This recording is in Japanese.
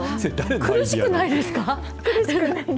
苦しくないです。